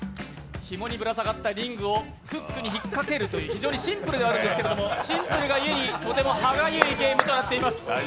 ひもにぶら下がったリングをフックにひっかけるという非常にシンプルなんですがシンプルが故にとても歯がゆいゲームとなっています。